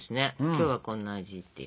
今日はこんな味って。